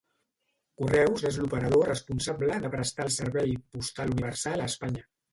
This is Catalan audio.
Correus és l'operador responsable de prestar el Servei Postal Universal a Espanya.